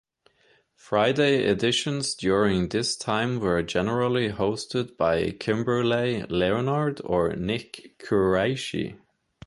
Friday editions during this time were generally hosted by Kimberley Leonard or Nick Quraishi.